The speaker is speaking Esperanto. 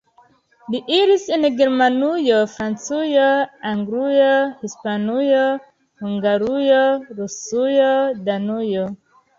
Li iris en Germanujo, Francujo, Anglujo, Hispanujo, Hungarujo, Rusujo, Danujo.